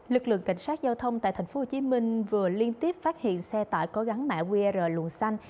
lực lượng cảnh sát giao thông tại tp hcm vừa liên tiếp phát hiện xe tải có gắn mã qr xanh